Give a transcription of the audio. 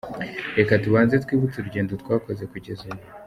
Reka tubanze twibutse urugendo twakoze kugeza ubu :